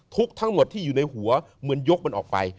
ทั้งหมดที่อยู่ในหัวเหมือนยกมันออกไป